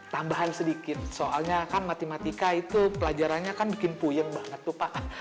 tambahan sedikit soalnya kan matematika itu pelajarannya kan bikin puyeng banget tuh pak